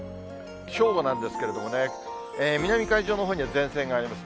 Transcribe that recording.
正午なんですけれどもね、南海上のほうには前線があります。